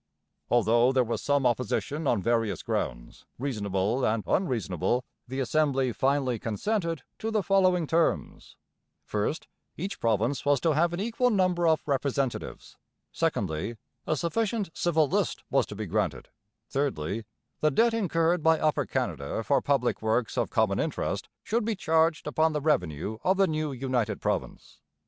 Although there was some opposition on various grounds, reasonable and unreasonable, the Assembly finally consented to the following terms: first, each province was to have an equal number of representatives; secondly, a sufficient civil list was to be granted; thirdly, the debt incurred by Upper Canada for public works of common interest should be charged upon the revenue of the new united province.